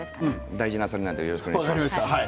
大事なあさりなのでよろしくお願いします。